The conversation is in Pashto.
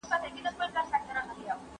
زه باغ ته ځم.